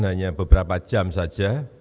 hanya beberapa jam saja